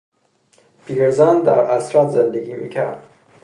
پیرزن در عسرت زندگی میکرد.